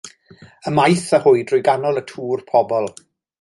Ymaith â hwy drwy ganol y twr pobl.